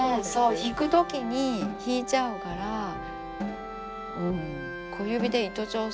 引くときに引いちゃうから小指で糸調節。